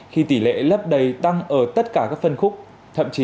khi tỷ lệ lấp đầy tăng ở tất cả các phân khúc thậm chí có những tòa nhà cháy hẳn